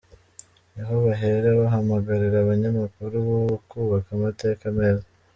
Niho bahera bahamagarira abanyamakuru b’ubu kubaka amateka meza.